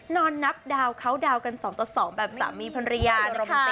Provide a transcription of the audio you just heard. นอนนับดาวเค้าดาวกันสองต่อสองแบบสามีพรรยา